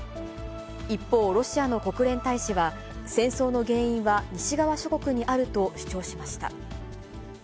一方、ロシアの国連大使は、戦争の原因は西側諸国にあると主張しました。